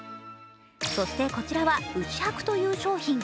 そしてこちらは、ウチハクという商品。